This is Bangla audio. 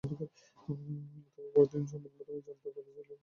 তবে পরের দিন তারা সংবাদপত্রের মাধ্যমে জানতে পারে যে লোকটি মারা গেছে।